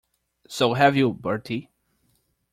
So have you, Bertie.